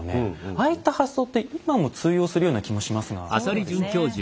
ああいった発想って今も通用するような気もしますがいかがでしょう？